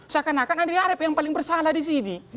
seakan akan andi arief yang paling bersalah di sini